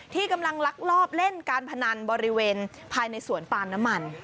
ที่กำลังลักลอบเล่นการพนันบริเวณภายในสวนปาล์น้ำมัน